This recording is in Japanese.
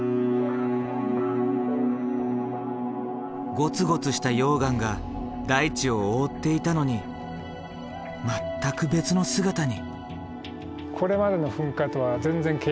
ゴツゴツした溶岩が大地を覆っていたのに全く別の姿に。